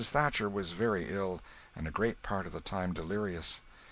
Thatcher was very ill, and a great part of the time delirious.